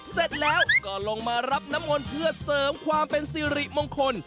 เสร็จแล้วก็ลงมารับน้ำมนต์เพื่อเสริมความเป็นสิริมงคล